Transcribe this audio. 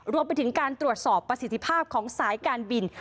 รวมไปถึงการตรวจสอบประสิทธิภาพของสายการบิน